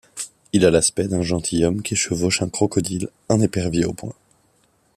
Il a l'aspect d'un gentilhomme qui chevauche un crocodile, un épervier au poing.